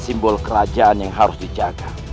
simbol kerajaan yang harus dijaga